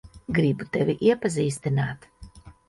Gribu tevi iepazīstināt.